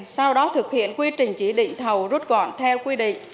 sau đó thực hiện quy trình chỉ định thầu rút gọn theo quy định